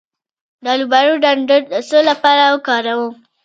د الوبالو ډنډر د څه لپاره وکاروم؟